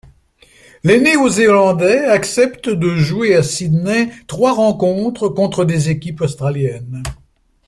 Les Néo-Zélandais acceptent de jouer à Sydney trois rencontres contre des équipes australiennes.